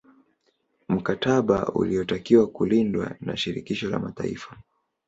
Mktaba uliotakiwa kulindwa na Shirikisho la Mataifa